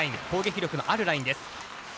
攻撃力のあるラインです。